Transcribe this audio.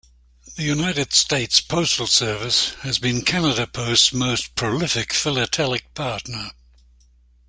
The United States Postal Service has been Canada Post's most prolific philatelic partner.